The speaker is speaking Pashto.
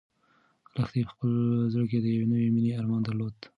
لښتې په خپل زړه کې د یوې نوې مېنې ارمان درلود.